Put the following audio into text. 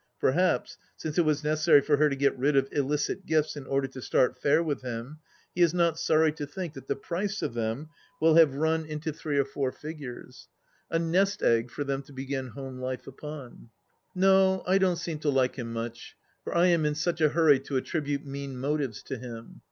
Perhaps, since it was necessary for her to get rid of illicit gifts in order to start fair with him, he is not sorry to think that the price of them will have run into 186 THE LAST DITCH three or four figures. A nest egg for them to begin home life upon 1 No, I don't seem to like him much, for I am in such a hurry to attribute mean motives to him.